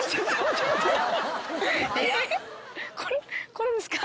これですか？